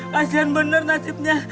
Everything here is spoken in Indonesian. kasihan bener nasibnya